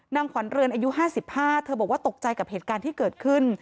นางขวัญเรือนอายุ๕๕เธอบอกว่าตกใจกับเหตุการณ์ที่เกิดขึ้น